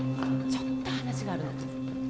ちょっと話があるの。